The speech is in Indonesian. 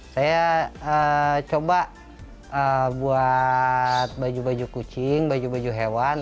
saya coba buat baju baju kucing baju baju hewan